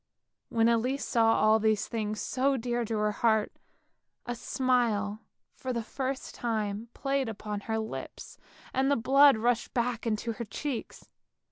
When Elise saw all these things so dear to her heart, a smile for the first time played upon her lips, and the blood rushed back to her cheeks.